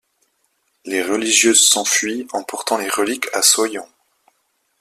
Les religieuses s’enfuient, emportant les reliques à Soyons.